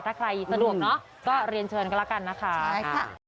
ถ้าใครสะดวกก็เรียนเชิญกันแล้วกันนะครับ